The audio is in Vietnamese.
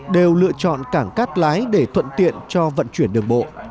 đều lựa chọn cảng cát lái để thuận tiện cho vận chuyển đường bộ